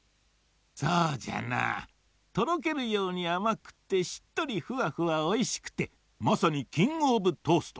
そうじゃなとろけるようにあまくってしっとりふわふわおいしくてまさにキング・オブ・トースト。